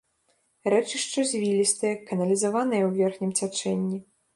Рэчышча звілістае, каналізаванае ў верхнім цячэнні.